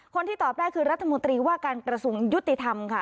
คนที่ตอบได้คือรัฐมนตรีว่าการกระทรวงยุติธรรมค่ะ